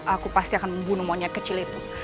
aku pasti akan membunuh monyet kecil itu